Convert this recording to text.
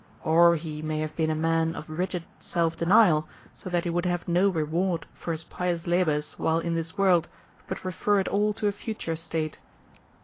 Or he may have been a man of rigid self denial, so that he would have no reward for his pious labours while in this world, but refer it all to a future state.'